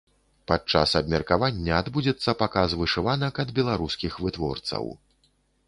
Падчас абмеркавання адбудзецца паказ вышыванак ад беларускіх вытворцаў.